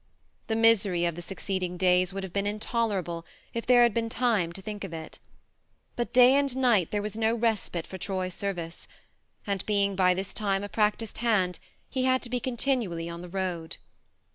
... The misery of the succeeding days would have been intolerable if there had been time to think of it. But day and night there was no respite for Troy's service ; and, being by this time a practised hand, he had to be continu ally on the road.